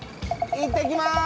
いってきます。